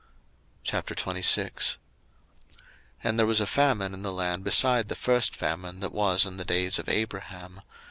01:026:001 And there was a famine in the land, beside the first famine that was in the days of Abraham.